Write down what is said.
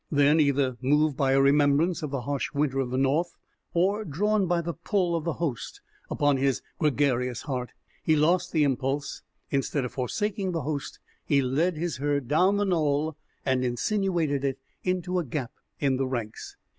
Then, either moved by a remembrance of the harsh winter of the north, or drawn by the pull of the host upon his gregarious heart, he lost the impulse. Instead of forsaking the host, he led his herd down the knoll and insinuated it into a gap in the ranks.